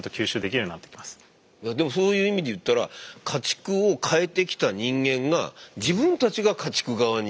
でもそういう意味でいったら家畜を変えてきた人間が自分たちが家畜側にこう。